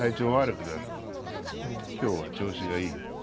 今日は調子がいい。